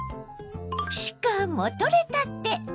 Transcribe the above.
しかもとれたて。